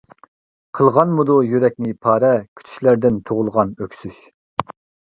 قىلغانمىدۇ يۈرەكنى پارە، كۈتۈشلەردىن تۇغۇلغان ئۆكسۈش.